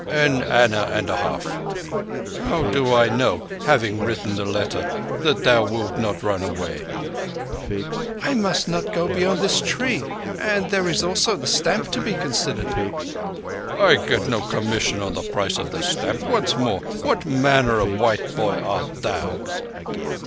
"An anna and a half. How do I know, having written the letter, that thou wilt not run away?" I must not go beyond this tree, and there is also the stamp to be considered." "I get no commission on the price of the stamp. Once more, what manner of white boy art thou?"